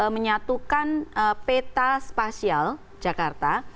menyatukan peta spasial jakarta